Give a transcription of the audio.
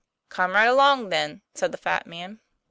' Come right along, then," said the fat man.